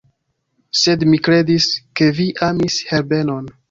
Sed mi kredis, ke vi amis Herbenon.